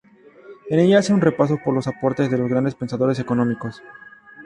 En ella hace un repaso por los aportes de los grandes pensadores económicos.